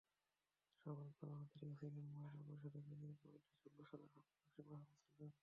সভায় প্রধান অতিথি ছিলেন মহিলা পরিষদের কেন্দ্রীয় কমিটির যুগ্ম সাধারণ সম্পাদক সীমা মোসলেম।